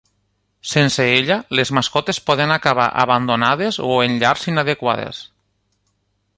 Sense ella, les mascotes poden acabar abandonades o en llars inadequades.